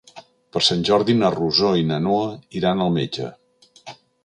Per Sant Jordi na Rosó i na Noa iran al metge.